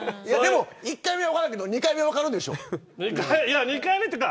１回目は分からんけど２回目は分かるでしょう。